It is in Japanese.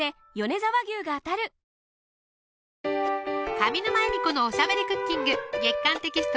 上沼恵美子のおしゃべりクッキング月刊テキスト